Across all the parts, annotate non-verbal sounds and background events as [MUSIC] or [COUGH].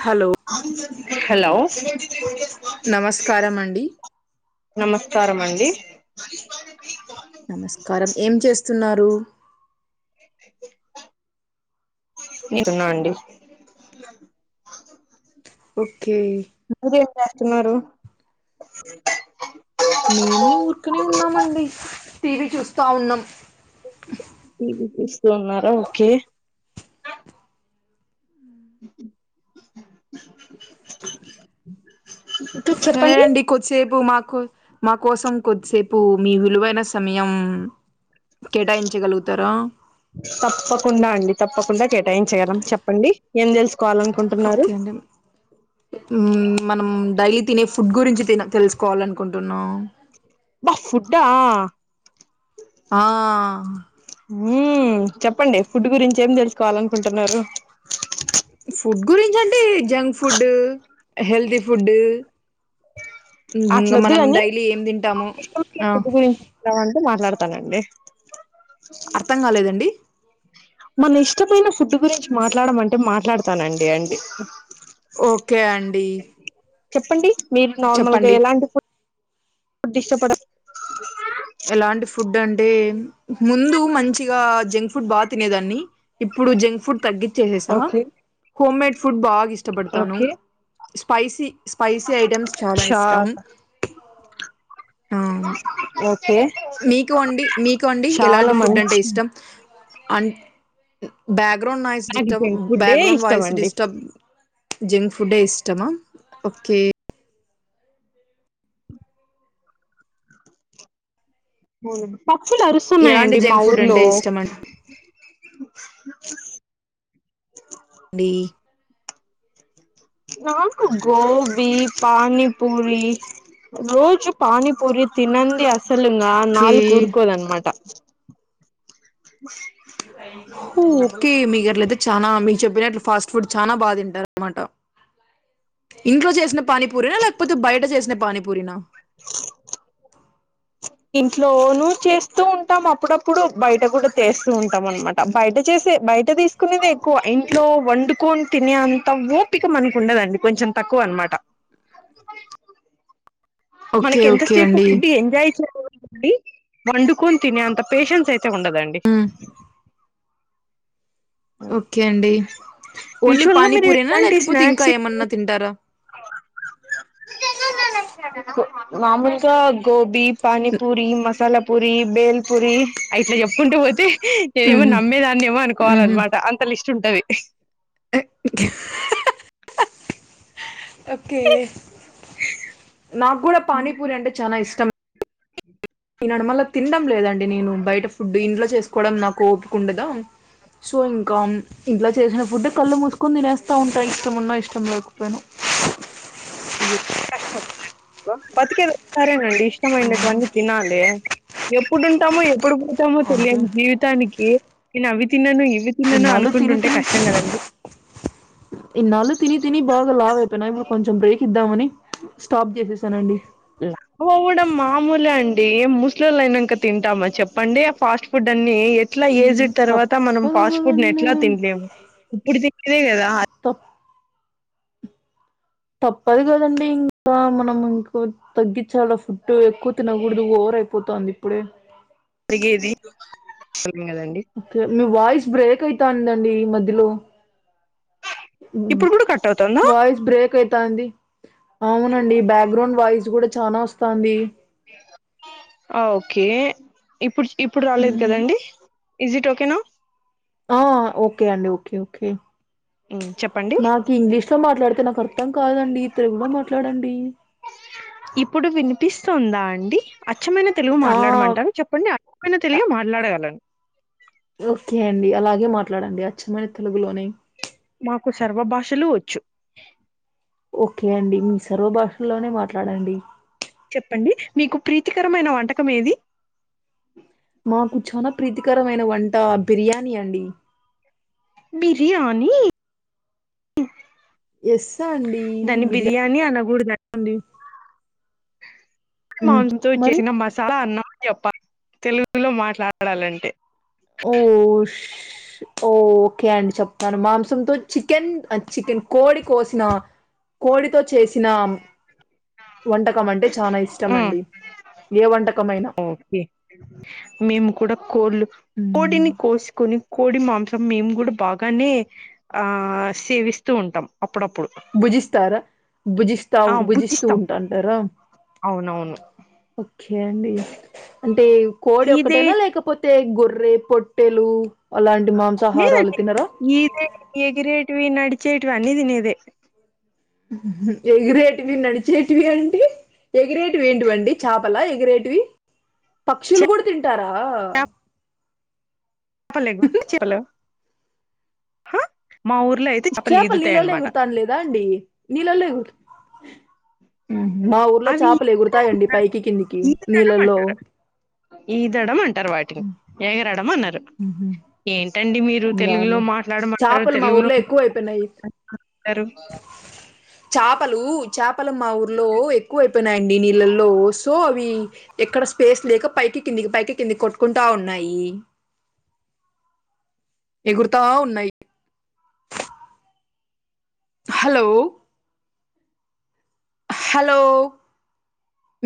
Hello hello నమస్కారమండి నమస్కారమండి నమస్కారం ఏం చేస్తున్నారు తింటున్న అండి ఓకే ఇప్పుడేం చేస్తున్నారు మేము ఊరుకనే ఉన్నామండి టీవీ చూస్తా ఉన్నాం టివి చూస్తూ ఉన్నారా ఓకే సరే చెప్పండి నండి కొద్సేపు మాకు మా కోసం కొద్దిసేపు మీ విలువైన సమయం కేటాయించ గలుగుతారా తప్పకుండా అండి తప్పకుండా కేటాయించగలం చెప్పండి ఏం తెలుసుకోవాలి అనుకుంటున్నారు హు మనం డైలీ తినే ఫుడ్ గురించి తిన తెలుసుకోవాలనుకుంటున్న అబ్బా ఫుడ్డా ఆ హ్మ్ చెప్పండి ఫుడ్ గురించి ఏం తెలుసుకోవాలనుకుంటున్నారు ఫుడ్ గురించి అంటే జంక్ ఫుడ్ హెల్తీ ఫుడ్ ఇంగా అట్లొద్దు మనం కాని డైలీ ఏం తింటాము ఆ కావాలంటే మాట్లాడతానండి అర్థం కాలేదండి మన ఇస్టమైన ఫుడ్ గురించి మాట్లాడమమంటే మాట్లాడతానండి అండి ఓకే అండి చెప్పండి మీరు నార్మల్ గా చెప్పండి ఎలాంటి ఫుడ్ పుడ్ ఇష్టపడ ఎలాంటి ఫుడ్ అంటే ముందు మంచిగా జంక్ ఫుడ్ బా తినేదాన్ని ఇప్పుడు జంక్ ఫుడ్ తగ్గిించేసేసా ఓకే హోమ్ మేడ్ ఫుడ్ బాగా ఇష్ట ఇష్టపడతాను ఓకే స్పైసీ స్పైసీ ఐటెమ్స్ చాలా చా ఇష్టం ఆ ఓకే మీకు అండి మీకు అండి చాలా ఎలాంటి ఫుడ్ అంటే మంచి ఇష్టం అన్ బ్యాగ్ గ్రౌండ్ వాయిస్ నాకు డిస్టర్బ్ జంక్ ఫుడ్డే బ్యాగ్రౌండ్ ఇష్టం వాయిస్ అండి డిస్టర్బ్ జంక్ ఫుడ్డే ఇష్టమా ఓకే పక్షులు ఎలాంటి అరుస్తున్నాయండి మా జంక్ ఫుడ్ ఊర్లో అంటే ఇష్టం డి నాకు గోబి, పానీపూరి రోజు పానీపూరి తినంది అసలు ఇంగ ఓకే నాలుకా ఊరుకోదన్నమాట హు ఓకే మీకు అట్లయితే చానా మీకు చెప్పినట్లు ఫాస్ట్ ఫుడ్ చానా బాగా తింటారు ఆనమాట ఇంట్లో చేసిన పానీపూరీ ఆ లేకపోతే బయట చేసిన పానీపూరినా [INAUDIBLE] ఇంట్లోనూ చేస్తూ ఉంటాం అప్పుడప్పుడు బయట కూడా తేస్తూ ఉంటాం అనమాట బయట చేసే బయట తీసుకునేది ఎక్కువ ఇంట్లో వండుకొని తినేంత ఓ పిక మనకు ఉండదండి కొంచెం తక్కువ అనమాట ఓకే మనకి ఓకే ఎంతసేపు అండి ఫుడ్ ఎంజాయ్ చేయాలండి వండుకొని తిని అంత పేషన్స్ అయి ఉండదండి మ్మ్ ఓకే అండి ఓన్లీ యూజువల్ గా మీరు పానీపూరేనా ఇలాంటి లేకపోతే ఇంకా స్నాక్స్ ఏమన్నా తింటారా మాములుగా గోబీ, పానీ పూరి, మసాలా పూరి బేల్ పూరి ఇట్లా చెప్పుకుంటూ పోతే నేనేమో మ్మ్ ఆమ్మేదాన్ని ఏమో మ్మ్ అనుకోవాలన్నమాట అ ఒక లిస్ట్ ఉంటది ఓకే నాకు కూడా పానీపూరి అంటే చానా ఇష్టం. ఈ నడమల్ల తినడం లేదండి నేను. బయట ఫుడ్ ఇంట్లో చేసుకోవడం నాకు ఓపకుండదా? సో ఇంకా ఇంట్లో చేసిన ఫుడే కళ్ళు మూసుకని తినేస్తా ఉంటా, ఇష్టమున్నా ఇష్టం లేకపోయినా. ఎంత కష్టం వచ్చిందండి మీకు. బతికేది సరేనండి ఇష్టమైనటువన్నీ తినాలి. ఎప్పుడుంటామో ఎప్పుడు పోతామో అంటే తెలియనీ జీవితానికి నేను అవి తిన్నాను ఇవి తినను ఇన్నాళ్ళు తిని అనుకుంటుంటే తిని కష్టం కదండీ. ఇన్నాళ్ళు తిని తిని బాగా లావ అయిపోయినా. ఇప్పుడు కొంచెం బ్రేక్ ఇద్దామని స్టాప్ చేసేసానండి. లావు అవ్వడం మామూలే అండి ముసలొల్లు అయినాక తింటామా చెప్పండి ఆ ఫాస్ట్ ఫుడ్ అన్నీ ఎట్లా ఉమ్, ఏజడ్ తర్వాత మనం తప్పదు ఫాస్ట్ ఫుడ్ ను కదండి ఎట్లా తినలేము ఇప్పుడు తింటే కదా పో తప్పదు కదండి ఇంకా మనం ఇంకో తగ్గించాల ఫుడ్. ఎక్కువ తినకూడదు ఓవర్ అయిపోతాంది ఇప్పుడే. అడిగేది [UNINTELLIGIBLE] కదండి ఓకే మీ వాయిస్ బ్రేక్ అయితాందండి మధ్యలో ఇప్పుడు కూడా కట్ అవుతుందా వాయిస్ బ్రేక్ అయితాంది. అవునండి బ్యాక్ గ్రౌండ్ వాయిస్ కూడా చానా వస్తుంది. ఓకే ఇప్పుడు, ఇప్పుడు రాలేదు మ్మ్. కదండీ. ఈజి ట్ ఓకేనా? ఆ ఓకే అండి ఓకే ఓకే చెప్పండి నాకు ఇంగ్లీష్ లో మాట్లాడితే నాకు అర్థం కాదండి తెలుగులో మాట్లాడండి. ఇప్పుడు వినిపిస్తుందా అండి? అచ్చమయినా తెలుగు ఆ మాట్లాడమంటారా చెప్పండి. అచ్చమైన తెలుగు అ- మాట్లాడగలను. ఓకే అండి అలాగే మాట్లాడండి అచ్చమైన తెలుగులోనే. మాకు సర్వభాషలు వచ్చు. ఓకే అండి మీ సర్వభాషల్లోనే మాట్లాడండి. చెప్పండి మీకు ప్రీతికరమైన వంటకం ఏది? మాకు చాలా ప్రీతికరమైన వంట బిర్యానీ అండి. బిర్యానీ ఎస్ అండి. దాని బిర్యానీ అనకూడదండి. అండి మ్మ్. మాంసంతో మరి చేసిన మసాలా అన్నం చెప్పాలి. తెలుగులో మాట్లాడాలంటే ఓ ఓకే అండి చెప్తాను. మా తందూరి చికెన్, చికెన్ కోడి కోసినా కోడితో చేసిన వంటకం అంటే చాలా ఇష్టం ఉమ్ అండి. ఏ వంటకమైనా ఓకే, మేము కూడా కోళ్ళు మ్ కోడిని కోసుకొని కోడి మాంసం మేము కూడా బాగానే ఆ సేవిస్తూ ఉంటాం అప్పుడప్పుడు. భుజిస్తారా? భుజిస్తాం ఆ భుజిస్తూ భుజిస్తాం ఉంటాంటారా? అవునవును ఓకే అండి అంటే కోడి ఇదే ఒక్కటేనా లేకపోతే అంటే గొర్రె, పొట్టెలు అలాంటి మాంసాహారాలు తినరా? నీదే ఎగిరేటివి, నడిచేటివి అన్నీ తినేదే. ఎగేరేటివి, నడిచేటివి అంటే ఎగిరేటివి ఏంటివండి చేపల ఎగిరేటివి పక్షులు కూడా తింటారా చేపలు మా ఊర్లో అయితే చేపలు ఈదుతాయి నీళ్ళలో అన్నమాట ఎగురుతాండిలేదా అండి నీళ్లలో మా ఊర్లో అవి చేపలు ఎగురుతాయండి పైకి కిందికి ఈదడం నీళ్ళల్లో అంటారు ఈదడం అంటారు వాటిని ఎగరడం అనరు ఉహు ఏంటండి మీరు మీ తెలుగులో యాలే మాట్లాడమంటారు చేపలు మా తెలుగులో ఊర్లో ఎక్కువ అయిపోయినాయి చేపలు చేపలు మా ఊర్లో ఎక్కువ అయిపోయినాయండి నీళ్ళల్లో సో అవి ఎక్కడ స్పేస్ లేక పైకి కిందికి పైకి కిందికి కొట్టుకుంటా ఉన్నాయి ఎగురుతా ఉన్నాయి హలో హలో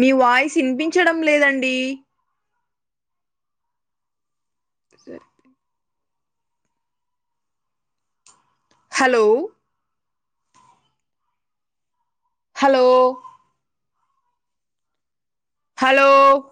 మీ వాయిస్ వినిపించడం లేదండి సర హలో హలో హలో